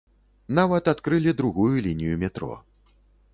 Нават адкрылі другую лінію метро.